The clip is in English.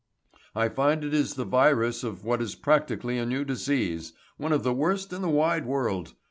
"I find it is the virus of what is practically a new disease, one of the worst in the wide world.